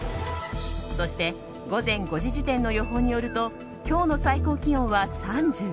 そして午前５時時点の予報によると今日の最高気温は３５度。